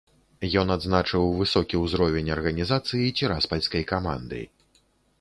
Ён адзначыў высокі ўзровень арганізацыі ціраспальскай каманды.